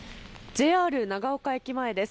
ＪＲ長岡駅前です。